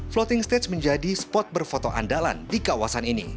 floating stage menjadi spot berfoto andalan di kawasan ini